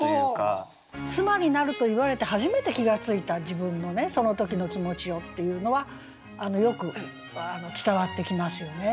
「妻になる」と言われて初めて気が付いた自分のその時の気持ちをっていうのはよく伝わってきますよね。